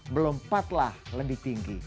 melompatlah lebih tinggi